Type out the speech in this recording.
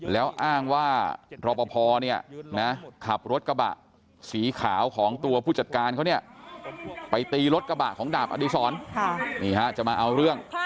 แล้วอ้างว่ารอปภขับรถกระบะสีขาวของตัวผู้จัดการเขาไปตีรถกระบะของดาบอดิษร